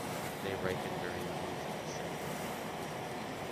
They ripen during the month of December.